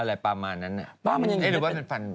อะไรประมาณนั้นน่ะ